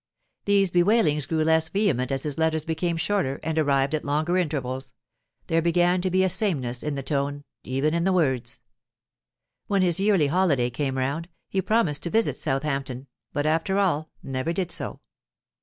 These bewailings grew less vehement as his letters became shorter and arrived at longer intervals; there began to be a sameness in the tone, even in the words. When his yearly holiday came round, he promised to visit Southampton, but after all never did so.